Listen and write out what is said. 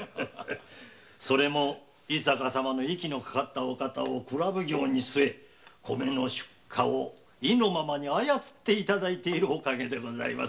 それも井坂様の息のかかった方を蔵奉行に据え米の出荷を意のままに操っていただいているおかげでございます。